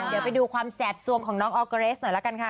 เดี๋ยวไปดูความแสบสวงของน้องออร์เกอเรสหน่อยละกันค่ะ